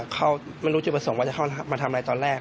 เขาไม่รู้จุดประสงค์ว่าจะเข้ามาทำอะไรตอนแรก